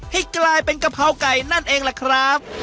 ให้กลายเป็นกะเพราไก่นั่นเองล่ะครับ